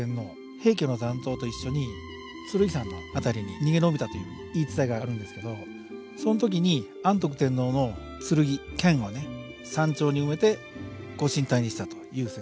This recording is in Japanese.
平家の残党と一緒に剣山の辺りに逃げ延びたという言い伝えがあるんですけどその時に安徳天皇の剣剣をね山頂に埋めてご神体にしたという説。